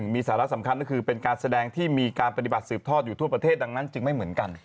มีสาระสำคัญก็คือเป็นการแสดงที่มีการปฏิบัติสืบทอดอยู่ทั่วประเทศดังนั้นจึงไม่เหมือนกัน